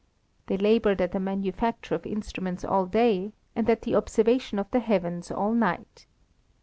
They laboured at the manufacture of instruments all day, and at the observation of the heavens all night.